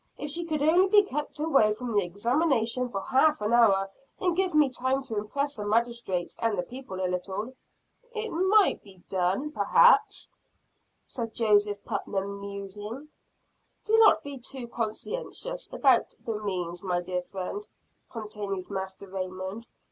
If she could only be kept away from the examination for half an hour; and give me time to impress the magistrates and the people a little." "It might be done perhaps," said Joseph Putnam musing. "Do not be too conscientious about the means, my dear friend," continued Master Raymond.